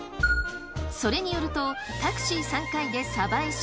それによるとタクシー３回で江市。